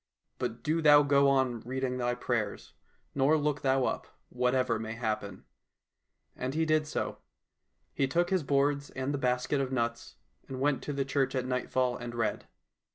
But do thou go on reading thy prayers, nor look thou up, whatever may happen." And he did so. He took his boards and the basket of nuts, and went to the church at nightfall and read.